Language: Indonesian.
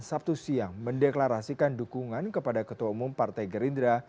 sabtu siang mendeklarasikan dukungan kepada ketua umum partai gerindra